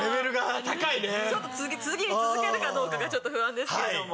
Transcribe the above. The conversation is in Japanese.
次に続けるかどうかがちょっと不安ですけれども。